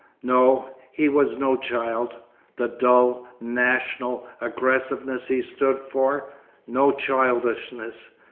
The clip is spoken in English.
No—he was no child; the dull, national aggressiveness he stood for, no childishness.